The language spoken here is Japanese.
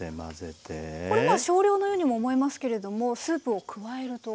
これまあ少量のようにも思いますけれどもスープを加えると。